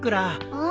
うん？